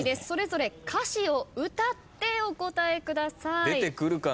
それぞれ歌詞を歌ってお答えください。